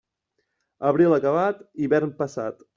Abril acabat, hivern passat.